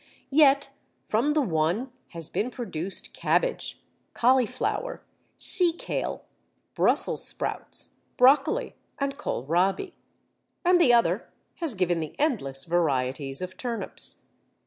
Yet from the one has been produced cabbage, cauliflower, seakale, brussels sprouts, broccoli, and kohlrabi; and the other has given the endless varieties of turnips.